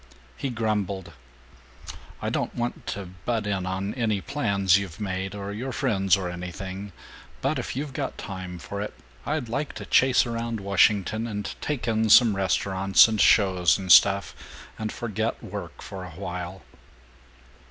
He grumbled, "I don't want to butt in on any plans you've made or your friends or anything, but if you've got time for it, I'd like to chase around Washington, and take in some restaurants and shows and stuff, and forget work for a while."